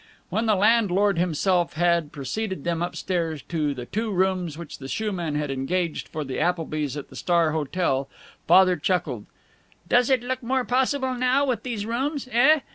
When the landlord himself had preceded them up stairs to the two rooms which the shoeman had engaged for the Applebys at the Star Hotel, Father chuckled: "Does it look more possible, now, with these rooms, eh?